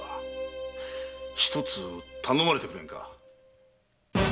ひとつ頼まれてくれぬか？